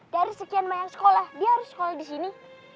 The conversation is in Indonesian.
dari sekian banyak sekolah dia harus sekolah di sini